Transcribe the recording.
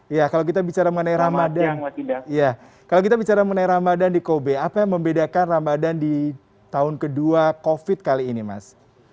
ya kalau kita bicara mengenai ramadan di kobe apa yang membedakan ramadan di tahun kedua covid kali ini mas